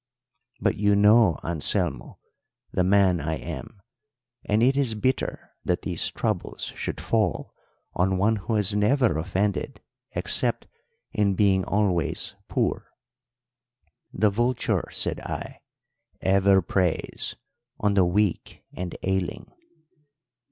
But you know, Anselmo, the man I am, and it is bitter that these troubles should fall on one who has never offended except in being always poor.' "The vulture,' said I, 'ever preys on the weak and ailing.'